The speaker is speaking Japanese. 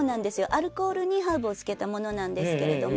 アルコールにハーブをつけたものなんですけれども。